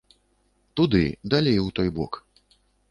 Туды, далей у той бок.